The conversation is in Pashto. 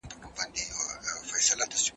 که ماشوم ونه ژاړي څه باید وسي؟